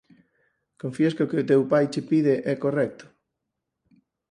Confías que o que o teu pai che pide é correcto?